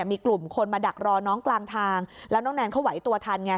มีกลุ่มคนมาดักรอน้องกลางทางแล้วน้องแนนเขาไหวตัวทันไง